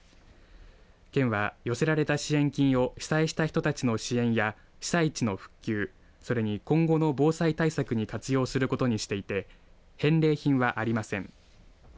県は、寄せられた支援金を被災した人たちの支援や被災地の復旧それに今後の防災対策に活用することにしていて返礼品はありません。